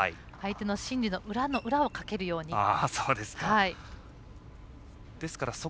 相手の心理の裏の裏をかけるように。